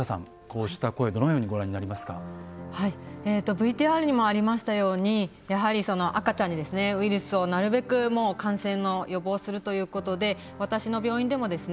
ＶＴＲにもありましたようにやはり赤ちゃんにですねウイルスをなるべく感染の予防をするということで私の病院でもですね